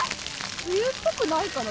梅雨っぽくないかな。